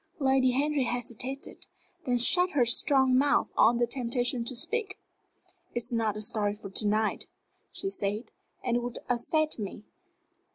Lady Henry hesitated, then shut her strong mouth on the temptation to speak. "It is not a story for to night," she said; "and it would upset me.